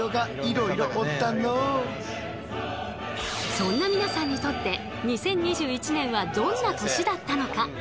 そんな皆さんにとって２０２１年はどんな年だったのか？